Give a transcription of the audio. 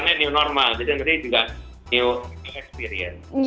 ikutannya new normal jadi nanti juga new experience